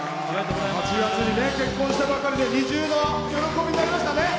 ８月に結婚したばかりで二重の喜びになりましたね。